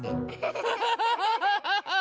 ハハハハハハ。